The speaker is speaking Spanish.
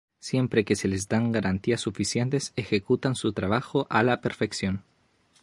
Siempre que se le den las garantías suficientes, ejecuta su trabajo a la perfección.